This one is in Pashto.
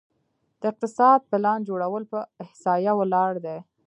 د اقتصاد پلان جوړول په احصایه ولاړ دي؟